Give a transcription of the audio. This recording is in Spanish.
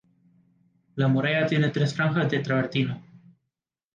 La muralla tiene tres franjas de travertino.